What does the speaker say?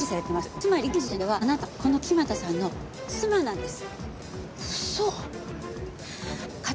つまり現時点ではあなたはこの木俣さんの妻なんです。